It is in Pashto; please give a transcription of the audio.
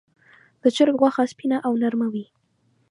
د چرګ غوښه سپینه او نرمه وي.